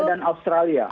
asia dan australia baik